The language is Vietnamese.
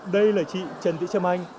đây là chị trần vĩ trâm anh